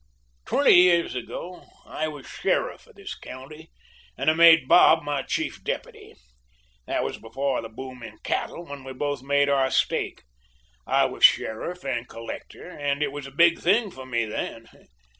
"Twenty years ago I was sheriff of this county, and I made Bob my chief deputy. That was before the boom in cattle when we both made our stake. I was sheriff and collector, and it was a big thing for me then.